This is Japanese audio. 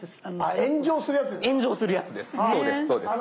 炎上するやつですか？